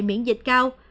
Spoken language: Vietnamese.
miễn dịch cao